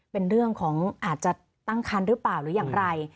เป็นเรื่องของอาจจะตั้งคันหรือเปล่าหรืออย่างไร